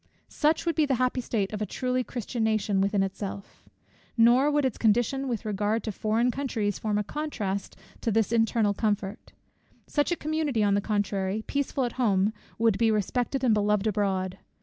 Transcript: Such would be the happy state of a truly Christian nation within itself. Nor would its condition with regard to foreign countries form a contrast to this its internal comfort. Such a community, on the contrary, peaceful at home, would be respected and beloved abroad.